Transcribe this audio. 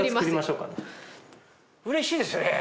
うれしいですね！